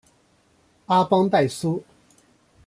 阿邦代苏。